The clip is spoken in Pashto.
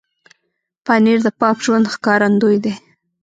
پنېر د پاک ژوند ښکارندوی دی.